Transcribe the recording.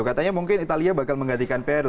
katanya mungkin italia bakal menggantikan peru